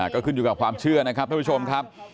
ก็ขึ้นอยู่กับความเชื่อนะครับท่านผู้ชมครับ